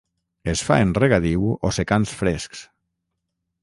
Es fa en regadiu o secans frescs.